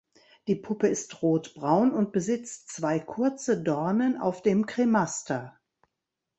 Die Puppe ist rotbraun und besitzt zwei kurze Dornen auf dem Kremaster.